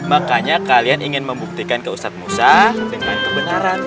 makanya kalian ingin membuktikan ke ustadz musa dengan kebenaran